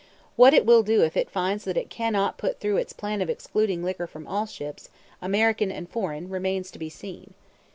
What it will do if it finds that it cannot put through its plan of excluding liquor from all ships, American and foreign, remains to be seen.